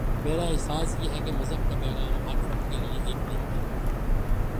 میرا احساس یہ ہے کہ مذہب کا پیغام ہر فرد کے لیے ایک نہیں ہے۔